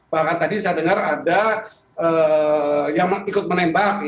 bahkan tadi saya dengar ada yang ikut menembak